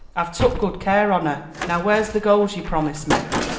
"I've tuck good care on her. Now where's the gold ye promised me?"